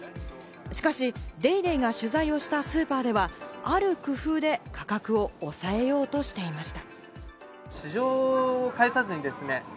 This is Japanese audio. しかし『ＤａｙＤａｙ．』が取材をしたスーパーでは、ある工夫で価格を抑えようとしていました。